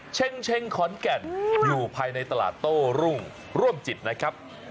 เช็งขอนแก่นอยู่ภายในตลาดโต้รุ่งร่วมจิตนะครับ